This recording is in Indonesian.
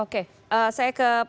oke saya ke pak daniel